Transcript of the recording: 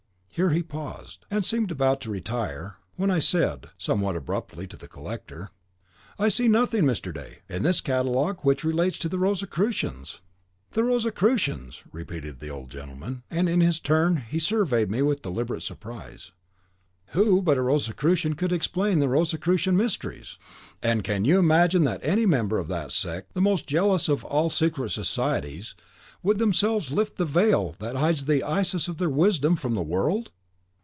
Here he paused, and seemed about to retire, when I said, somewhat abruptly, to the collector, "I see nothing, Mr. D , in this catalogue which relates to the Rosicrucians!" "The Rosicrucians!" repeated the old gentleman, and in his turn he surveyed me with deliberate surprise. "Who but a Rosicrucian could explain the Rosicrucian mysteries! And can you imagine that any members of that sect, the most jealous of all secret societies, would themselves lift the veil that hides the Isis of their wisdom from the world?"